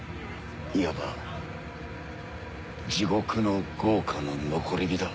いわば地獄の業火の残り火だ。